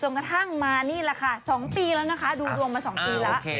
กระทั่งมานี่แหละค่ะ๒ปีแล้วนะคะดูดวงมา๒ปีแล้ว